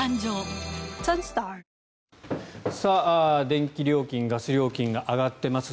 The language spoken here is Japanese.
電気料金、ガス料金が上がっています。